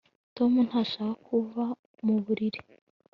tom ntashaka kuva mu buriri